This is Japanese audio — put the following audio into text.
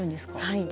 はい。